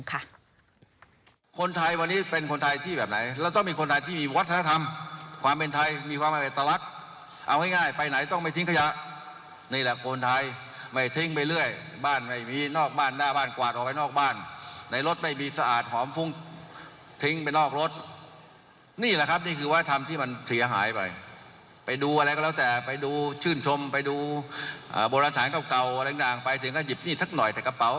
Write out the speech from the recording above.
เก่าแหลงไปถึงก็หยิบนี่สักหน่อยใส่กระเป๋า